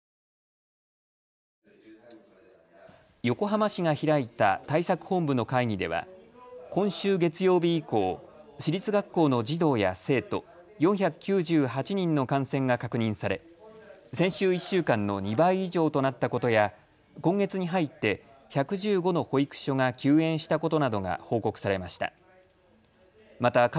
横浜市が開いた対策本部の会議では今週月曜日以降、市立学校の児童や生徒４９８人の感染が確認され、先週１週間の２倍以上となったことや今月に入って１１５の保育所が休園したことなどが報告されました。